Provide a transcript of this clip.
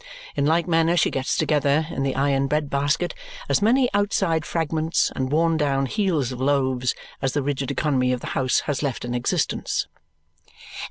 In like manner she gets together, in the iron bread basket, as many outside fragments and worn down heels of loaves as the rigid economy of the house has left in existence.